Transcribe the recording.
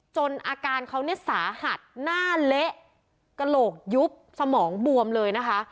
จนอาการเขาเนี่ยสาหัสหน้าเละกระโหลกยุบสมองบวมเลยนะคะ